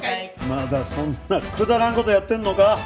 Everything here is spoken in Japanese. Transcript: まだそんなくだらん事やってるのか。